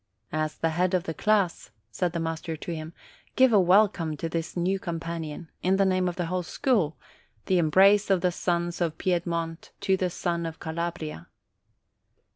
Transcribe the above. "As the head of the class,' ' said the master to him, "give a welcome to this new companion, in the name of the whole school the embrace of the sons of Piedmont to the son of Calabria."